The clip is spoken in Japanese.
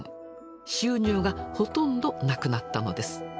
収入がほとんどなくなったのです。